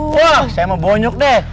wah saya mau bonyok deh